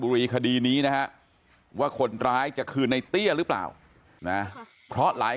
รีคดีนี้นะฮะว่าคนร้ายจะคือในเตี้ยหรือเปล่านะเพราะหลาย